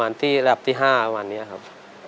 อันดับที่ห้าประมาณนี้ครับ